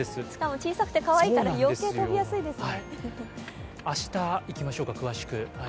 小さくてかわいいから余計、飛びやすいですね。